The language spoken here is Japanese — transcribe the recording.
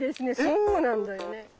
そうなんだよね。